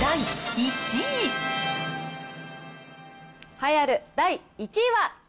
栄えある第１位は。